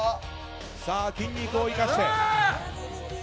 さあ筋肉を生かして。